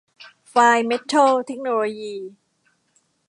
ไฟน์ เม็ททัล เทคโนโลยีส์